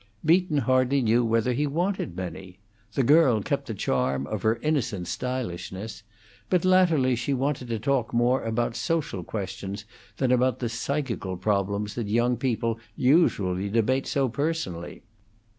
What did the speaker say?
Beaton hardly knew whether he wanted many; the girl kept the charm of her innocent stylishness; but latterly she wanted to talk more about social questions than about the psychical problems that young people usually debate so personally.